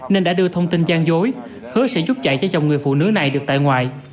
nên đã đưa thông tin gian dối hứa sẽ giúp chạy cho chồng người phụ nữ này được tại ngoại